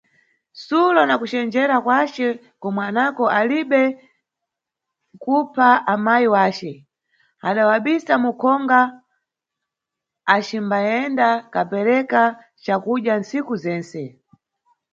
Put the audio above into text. Sulo nakucenjera kwace komwe anako ali be kupha amayi yace, adawabisa mukhonga acimbayenda kapereka cakudya tsiku zense.